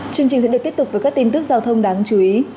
chương trình sẽ được tiếp tục với các tin tức giao thông đáng chú ý